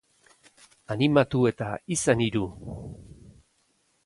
Animatu eta izan hiru!